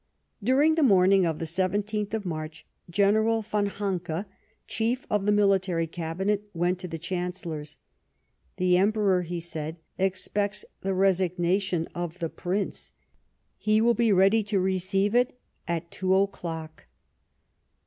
During the morning of the 17th of March General von Hahnke, Chief of the Military Cabinet, went to the Chancellor's. " The Emperor," he said, " expects the resigna tion of the Prince ; he will be ready to receive it at two o'clock."